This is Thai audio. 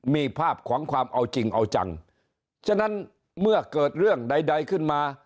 มีภาพขวางความเอาจริงเอาจังฉะนั้นเมื่อเกิดเรื่องใดใดขึ้นมา